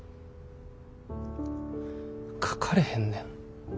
書かれへんねん。